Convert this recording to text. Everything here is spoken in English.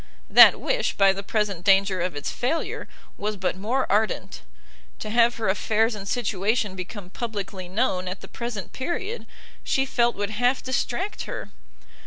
That wish, by the present danger of its failure, was but more ardent; to have her affairs and situation become publicly known at the present period, she felt would half distract her.